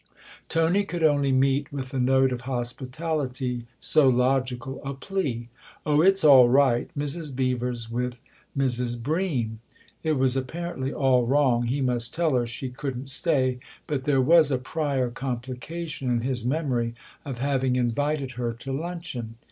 Tony could only meet with the note of hospitality so logical a plea. " Oh, it's all right Mrs. Beever's with Mrs. Bream." It was apparently all wrong he must tell her she couldn't stay ; but there was a prior complication in his memory of having invited her to luncheon.